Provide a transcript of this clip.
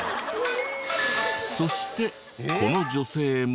そしてこの女性も。